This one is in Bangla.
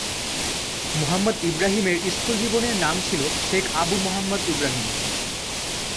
মোহাম্মদ ইব্রাহিমের স্কুল জীবনের নাম ছিল শেখ আবু মোহাম্মদ ইব্রাহিম।